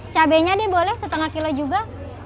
cabainya deh boleh setengah kilo juga